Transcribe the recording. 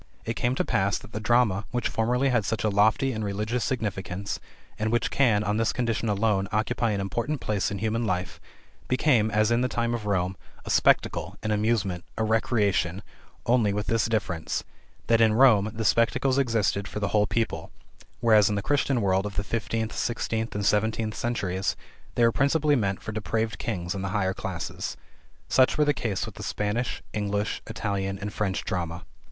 It came to pass that the drama, which formerly had such a lofty and religious significance, and which can, on this condition alone, occupy an important place in human life, became, as in the time of Rome, a spectacle, an amusement, a recreation only with this difference, that in Rome the spectacles existed for the whole people, whereas in the Christian world of the fifteenth, sixteenth, and seventeenth centuries they were principally meant for depraved kings and the higher classes. Such was the case with the Spanish, English, Italian, and French drama.